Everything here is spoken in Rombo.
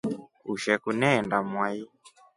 Usheku neenda mwai.